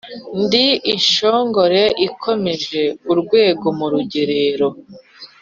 Ndi Inshongore ikomeje urwego mu rugerero